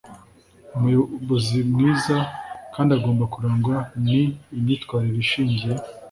Umuyobozi mwiza kandi agomba kurangwa n imyitwarire ishingiye